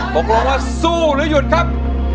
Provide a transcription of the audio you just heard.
ตกลงว่าสู้หรือหยุดครับ